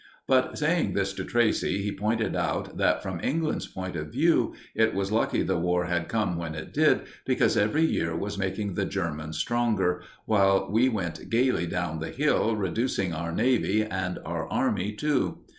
But, saying this to Tracey, he pointed out that, from England's point of view, it was lucky the War had come when it did, because every year was making the Germans stronger, while we went gaily down the hill reducing our Navy and our Army too.